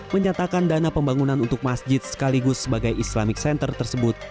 menyatakan dana pembangunan untuk masjid sekaligus sebagai islamic center tersebut